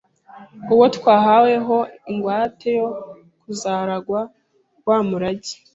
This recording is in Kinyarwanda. uwo twahaweho ingwate yo kuzaragwa wa murage,